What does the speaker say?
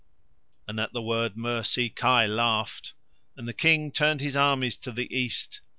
And, at the word mercy, Kai laughed. And the King turned his armies to the east.